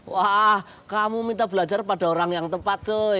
wah kamu minta belajar pada orang yang tepat tuh